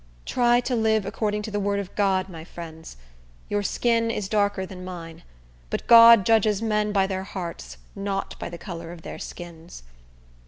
Try to live according to the word of God, my friends. Your skin is darker than mine; but God judges men by their hearts, not by the color of their skins."